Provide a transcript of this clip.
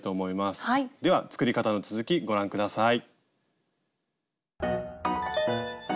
では作り方の続きご覧下さい。